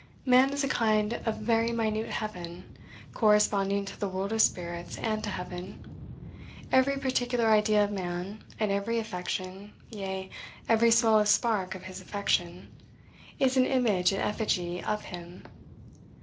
"Man is a kind of very minute heaven, corresponding to the world of spirits and to heaven. Every particular idea of man, and every affection, yea, every smallest spark of his affection, is an image and effigy of him.